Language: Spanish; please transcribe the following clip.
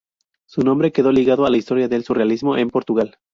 Su nombre quedó ligado a la historia del Surrealismo en Portugal.